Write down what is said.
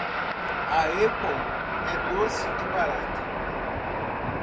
A Apple é doce e barata